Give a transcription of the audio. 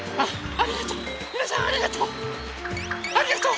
ありがとう。